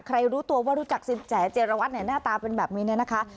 รู้ตัวว่ารู้จักสินแจเจรวัตรเนี่ยหน้าตาเป็นแบบนี้เนี่ยนะคะ